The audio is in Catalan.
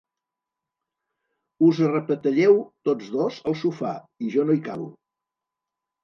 Us arrepetelleu tots dos al sofà i jo no hi cabo.